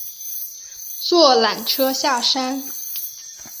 坐缆车下山